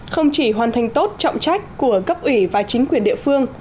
không chỉ hoàn thành tốt trọng trách của cấp ủy và chính quyền địa phương